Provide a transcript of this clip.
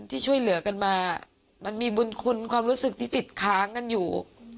ที่ช่วยเหลือกันมามันมีบุญคุณความรู้สึกที่ติดค้างกันอยู่